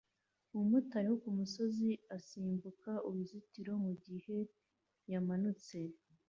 Umumotari wo kumusozi asimbuka uruzitiro mugihe yamanutse